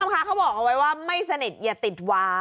ส้มค้าเค้าบอกออกไว้ว่าไม่สนิทอย่าติดว้าว